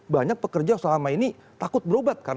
banyak pekerja selama ini takut berobat kan